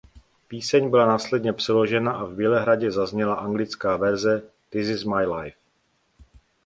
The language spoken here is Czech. Píseň byla následně přeložena a v Bělehradě zazněla anglická verze ""This Is My Life"".